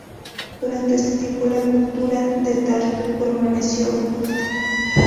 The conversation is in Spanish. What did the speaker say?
Durante este tiempo la cultura de Tartu permaneció oculta.